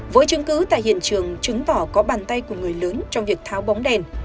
với chứng cứ tại hiện trường chứng tỏ có bàn tay của người lớn trong việc tháo bóng đèn